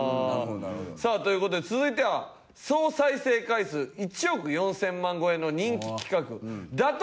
さあという事で続いては総再生回数１億４０００万超えの人気企画打倒